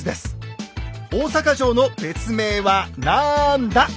大坂城の別名はなんだ？